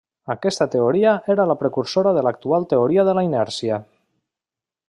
Aquesta teoria era la precursora de l'actual teoria de la inèrcia.